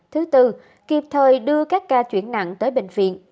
thứ tư kịp thời đưa các ca chuyển nặng tới bệnh viện